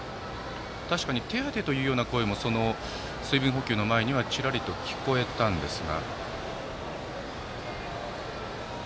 手当てという声も水分補給の前にはちらりと聞こえたんですが。